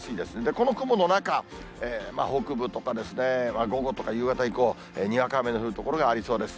この雲の中、北部とか午後とか夕方以降、にわか雨の降る所がありそうです。